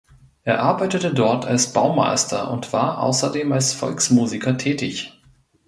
Er arbeitete dort als Baumeister und war außerdem als Volksmusiker tätig.